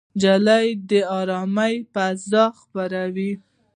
نجلۍ د ارامۍ فضا خپروي.